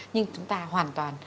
nhưng chúng ta hoàn toàn